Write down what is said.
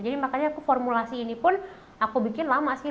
jadi makanya aku formulasi ini pun aku bikin lama sih